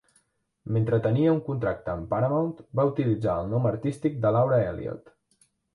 Mentre tenia un contracte amb Paramount, va utilitzar el nom artístic de Laura Elliot.